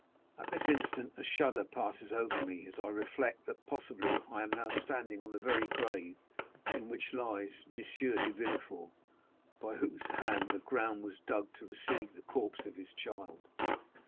At this instant a shudder passes over me as I reflect that possibly I am now standing on the very grave in which lies M. de Villefort, by whose hand the ground was dug to receive the corpse of his child."